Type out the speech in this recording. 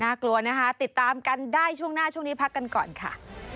กลัวนะคะติดตามกันได้ช่วงหน้าช่วงนี้พักกันก่อนค่ะ